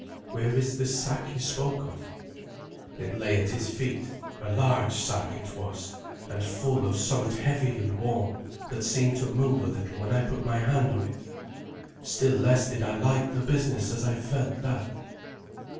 Where is this sack he spoke of?" It lay at his feet. A large sack it was, and full of somewhat heavy and warm that seemed to move a little when I put my hand on it. Still less did I like the business as I felt that.